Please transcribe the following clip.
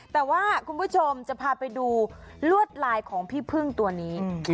แต่ว่าคุณผู้ชมจะพาไปดูลวดลายของพี่พึ่งตัวนี้